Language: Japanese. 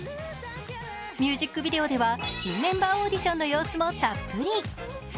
ミュージックビデオでは新メンバーオーディションの様子もたっぷり。